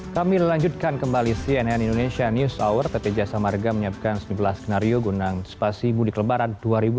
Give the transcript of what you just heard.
kami lanjutkan kembali cnn indonesia news hour pt jasa marga menyiapkan sembilan belas skenario guna spasi mudik lebaran dua ribu dua puluh